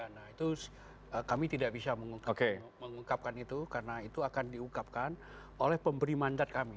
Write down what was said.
nah itu kami tidak bisa mengungkapkan itu karena itu akan diungkapkan oleh pemberi mandat kami